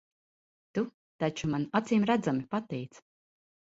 Tu taču man acīmredzami patīc.